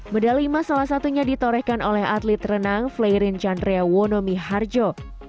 medali lima salah satunya ditorehkan oleh atlet renang fleirin chandria wonomi harjo